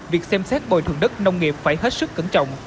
việc xem xét bồi thường đất nông nghiệp phải hết sức cẩn trọng